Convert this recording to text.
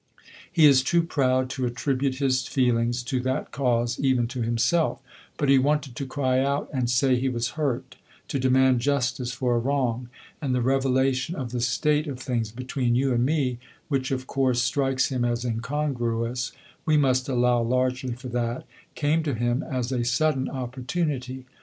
He is too proud to attribute his feelings to that cause, even to himself; but he wanted to cry out and say he was hurt, to demand justice for a wrong; and the revelation of the state of things between you and me which of course strikes him as incongruous; we must allow largely for that came to him as a sudden opportunity.